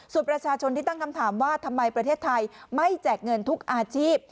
ส่วนประชาชนที่ตั้งคำถามว่าทำไมประเทศไทยไม่แจกเงินทุกอาชีพ